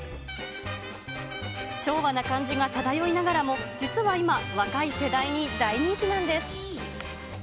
昭和な感じが漂いながらも実は今、若い世代に大人気なんです。